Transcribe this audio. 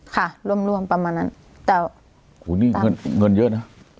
ค่ะร่วมร่วมประมาณนั้นแต่โอ้โหนี่เงินเงินเยอะนะ